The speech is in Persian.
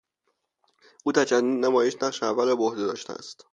او در چند نمایش نقش اول را بهعهده داشته است.